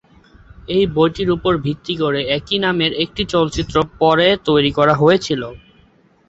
এই বইটির উপর ভিত্তি করে একই নামের একটি চলচ্চিত্র পরে তৈরি করা হয়েছিল।